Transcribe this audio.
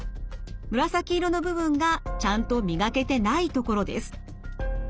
紫色の部分がちゃんと磨けてない所です。